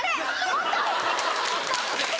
もっと。